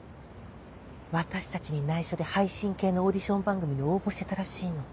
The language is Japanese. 私たちに内緒で配信系のオーディション番組に応募してたらしいの。